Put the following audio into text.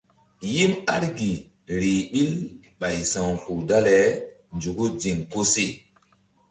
Yim argi rih ɓil ɓay sa̧wkpuh dale nzuku ziŋ koseh.